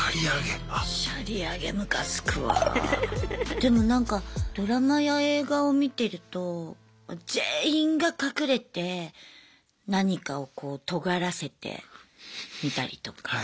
でもなんかドラマや映画を見てると全員が隠れて何かをこうとがらせてみたりとか。